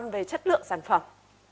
một trăm linh về chất lượng sản phẩm